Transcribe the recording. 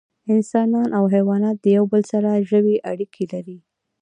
انسانان او حیوانات د یو بل سره ژوی اړیکې لري